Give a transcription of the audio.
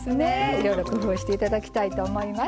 いろいろ工夫して頂きたいと思います。